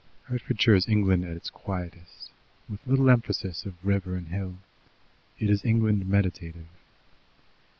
Hertfordshire is England at its quietest, with little emphasis of river and hill; it is England meditative.